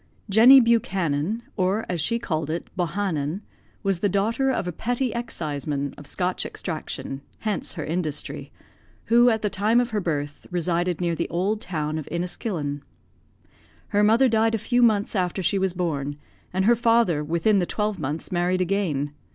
Jenny Buchanan, or as she called it, Bohanon, was the daughter of a petty exciseman, of Scotch extraction (hence her industry) who, at the time of her birth, resided near the old town of Inniskillen. Her mother died a few months after she was born; and her father, within the twelve months, married again.